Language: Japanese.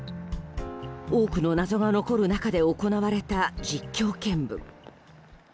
多くの謎が残る中で行われた実況見分。